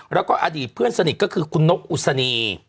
แล้วก็อดีตเพื่อนสนิทก็คือคุณนกอุศนี